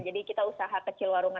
jadi kita usaha kecil warungan